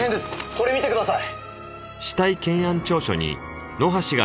これ見てください！